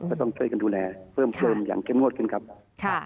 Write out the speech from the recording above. ก็ต้องช่วยกันดูแลเพิ่มเติมอย่างเข้มงวดขึ้นครับ